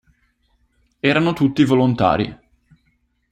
Erano tutti volontari.